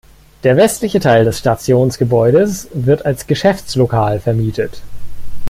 Der westliche Teil des Stationsgebäudes wird als Geschäftslokal vermietet.